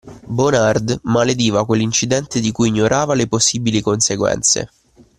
Bonard malediva quell'incidente di cui ignorava le possibili conseguenze.